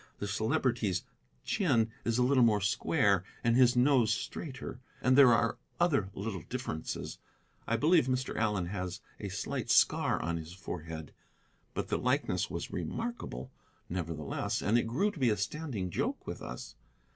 The Celebrity's chin is a little more square, and his nose straighter, and there are other little differences. I believe Mr. Allen has a slight scar on his forehead. But the likeness was remarkable, nevertheless, and it grew to be a standing joke with us.